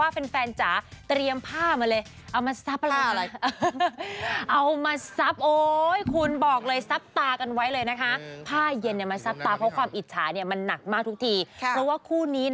เพราะว่าคู่นี้